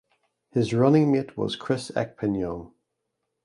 His running mate was Chris Ekpenyong.